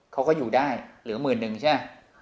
เขาก็อยู่ได้เหลือ๑๐๐๐๐บาทใช่ไหม